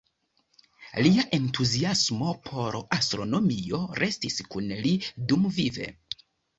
Lia entuziasmo por astronomio restis kun li dumvive.